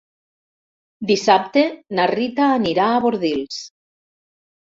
Dissabte na Rita anirà a Bordils.